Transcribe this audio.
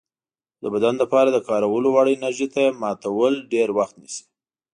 خو د بدن لپاره د کارولو وړ انرژي ته یې ماتول ډېر وخت نیسي.